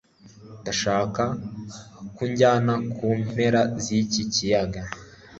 ndashaka kunjyana kumpera ziki kiyaga